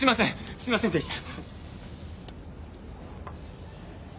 すみませんでした！